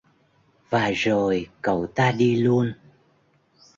Và rồi Cậu ta đi luôn